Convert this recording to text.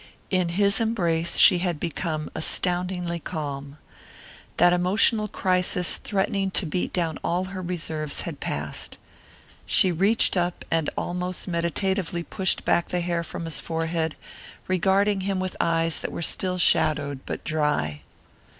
In his embrace she had become astoundingly calm. That emotional crisis threatening to beat down all her reserves had passed. She reached up and almost meditatively pushed back the hair from his forehead, regarding him with eyes that were still shadowed but dry.